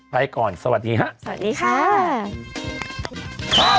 ไปก่อนสวัสดีค่ะ